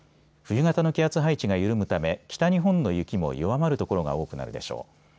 冬型の気圧配置が緩むため北日本の雪も弱まる所が多くなるでしょう。